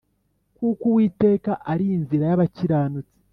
Kuko Uwiteka azi inzira y’abakiranutsi